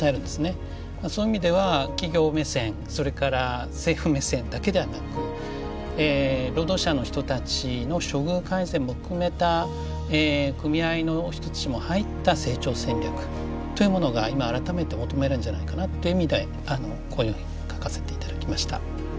そういう意味では企業目線それから政府目線だけではなく労働者の人たちの処遇改善も含めた組合の人たちも入った成長戦略というものが今改めて求められるんじゃないかなという意味でこのように書かせていただきました。